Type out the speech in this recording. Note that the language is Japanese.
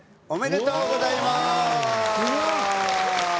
おめでとうございます！